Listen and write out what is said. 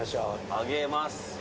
上げます。